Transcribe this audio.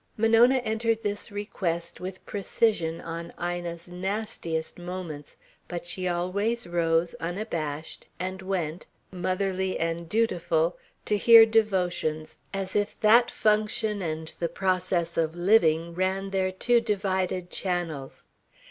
Monona entered this request with precision on Ina's nastiest moments, but she always rose, unabashed, and went, motherly and dutiful, to hear devotions, as if that function and the process of living ran their two divided channels.